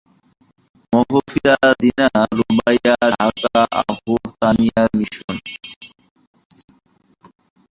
মাহফিদা Dina রুবাইয়াঢাকা Ahsania mission.